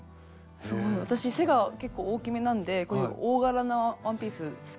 すごい私背が結構大きめなんでこういう大柄なワンピースうんうん。